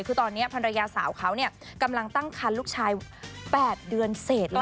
คือตอนนี้ภรรยาสาวเขากำลังตั้งคันลูกชาย๘เดือนเสร็จแล้ว